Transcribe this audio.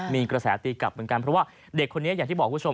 มีกระแสตีกลับเหมือนกันเพราะว่าเด็กคนนี้อย่างที่บอกคุณผู้ชม